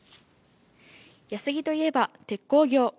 安来といえば鉄鋼業。